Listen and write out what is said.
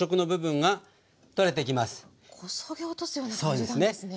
こそげ落とすような感じなんですね。